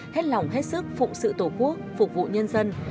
hết lòng hết sức phụng sự tổ quốc phục vụ nhân dân